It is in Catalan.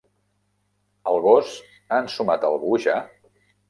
El gos ha ensumat a algú ja?